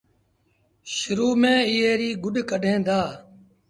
شرو ميݩ ايئي ريٚ گُڏ ڪڍين دآ۔